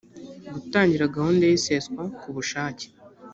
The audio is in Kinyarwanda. gutangira gahunda y’iseswa ku bushake